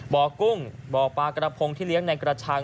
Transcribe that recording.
กุ้งบ่อปลากระพงที่เลี้ยงในกระชัง